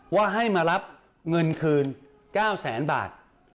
ว่าให้มารับเงินคืน๙แสนบาท